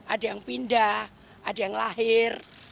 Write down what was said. ada yang pindah ada yang lahir